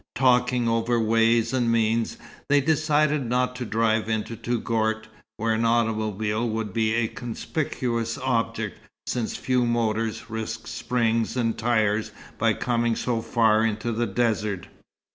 Talking over ways and means, they decided not to drive into Touggourt, where an automobile would be a conspicuous object since few motors risked springs and tyres by coming so far into the desert.